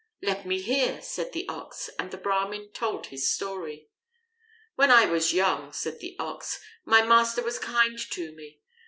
"Let me hear," said the Ox, and the Brahmin told his story. "When I was young," said the Ox, "my master was kind to me.